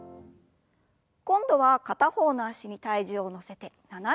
今度は片方の脚に体重を乗せて斜めに。